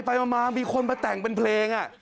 มามีคนมาแต่งเป็นเพลง